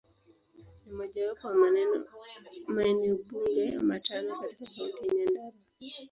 Ni mojawapo wa maeneo bunge matano katika Kaunti ya Nyandarua.